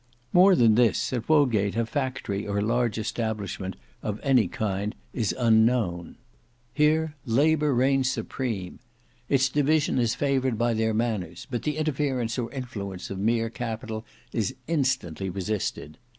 More than this, at Wodgate a factory or large establishment of any kind is unknown. Here Labour reigns supreme. Its division indeed is favoured by their manners, but the interference or influence of mere capital is instantly resisted.